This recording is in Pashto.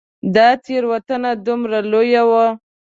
دا تېروتنه دومره لویه وه.